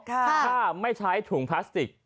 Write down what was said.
ถ้าไม่ใช้ถุงพลาสติก